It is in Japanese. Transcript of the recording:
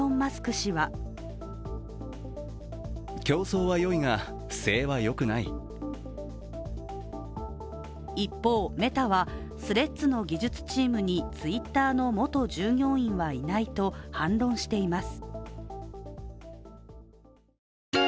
氏は一方、メタはＴｈｒｅａｄｓの技術チームにＴｗｉｔｔｅｒの元従業員はいないと反論しています。